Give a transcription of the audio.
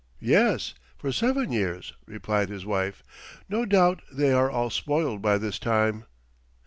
"Yes, for seven years," replied his wife. "No doubt they are all spoiled by this time."